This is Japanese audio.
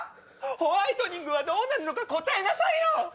ホワイトニングはどうなるのか答えなさいよ！